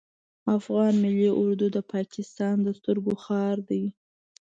افغان ملی اردو د پاکستان د سترګو خار ده